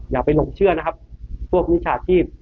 อยากไปลงเชื่อพวกมิชชาชีพ